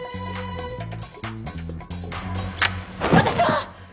私は！